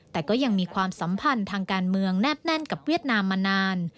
แต่ก็ยังมีความสัมพันธ์ทางการเมืองแนบแน่นกับเวียดนามมานาน